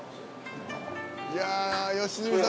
「いやあ良純さん